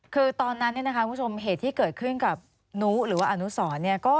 คือตอนนั้นเนี่ยนะคะคุณผู้ชมเหตุที่เกิดขึ้นกับนุหรือว่าอนุสรเนี่ย